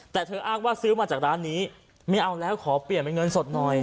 แต่เธออ้างว่าซื้อมาจากร้านนี้ไม่เอาแล้วขอเปลี่ยนเป็นเงินสดหน่อย